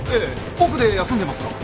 奥で休んでますが。